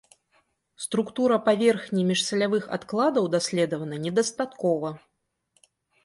Структура паверхні міжсалявых адкладаў даследавана недастаткова.